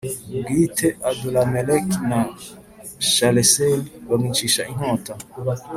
Bwite adurameleki na shareseri bamwicisha inkota